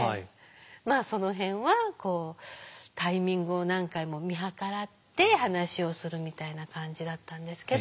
まあその辺はこうタイミングを何回も見計らって話をするみたいな感じだったんですけど。